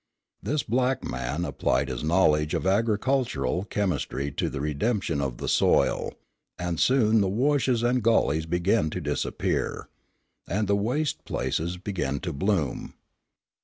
This black man applied his knowledge of agricultural chemistry to the redemption of the soil; and soon the washes and gulleys began to disappear, and the waste places began to bloom.